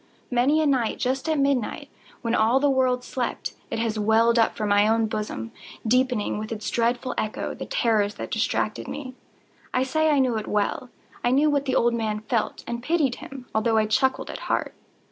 Many a night, just at midnight, when all the world slept, it has welled up from my own bosom, deepening, with its dreadful echo, the terrors that distracted me. I say I knew it well. I knew what the old man felt, and pitied him, although I chuckled at heart.